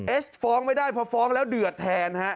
เอสฟ้องไม่ได้เพราะฟ้องแล้วเดือดแทนฮะ